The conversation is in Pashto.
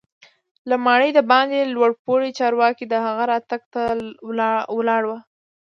له ماڼۍ دباندې لوړ پوړي چارواکي د هغه راتګ ته ولاړ وو.